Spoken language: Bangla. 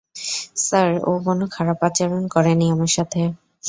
স্যার, ও কোনো খারাপ আচরণ করেনি আমার সাথে।